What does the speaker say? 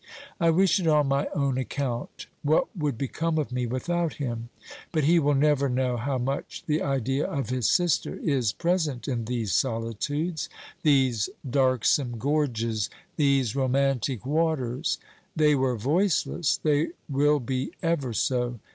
I wish it on my own account ; what would become of me without him ? But he will never know how much the idea of his sister is pre sent in these solitudes. These darksome gorges ! These romantic waters ! They were voiceless, they will be ever so